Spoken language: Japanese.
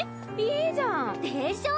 いいじゃん！でしょう？